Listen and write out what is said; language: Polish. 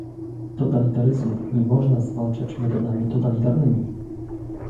Totalitaryzmu nie można zwalczać metodami totalitarnymi